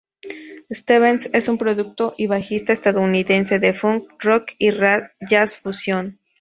Stevens es un productor y bajista estadounidense de funk, rock y jazz fusion.